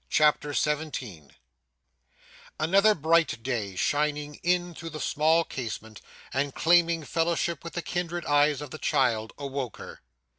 CHAPTER 17 Another bright day shining in through the small casement, and claiming fellowship with the kindred eyes of the child, awoke her.